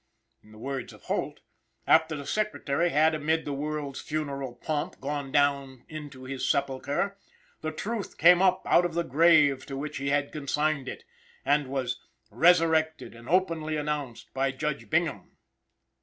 In the words of Holt, "after the Secretary had, amid the world's funeral pomp, gone down into his sepulchre, the truth came up out of the grave to which he had consigned it," and was "resurrected and openly announced by Judge Bingham."